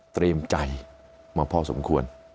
เตรียมใจมาพอสมควร